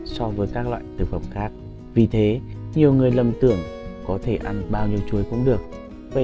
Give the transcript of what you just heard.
so với các loại thực phẩm khác vì thế nhiều người lầm tưởng có thể ăn bao nhiêu chuối cũng được